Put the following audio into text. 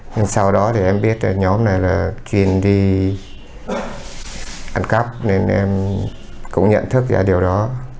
nhưng sau đó thì em biết nhóm này là chuyên đi ăn cắp nên em cũng nhận thức ra điều đó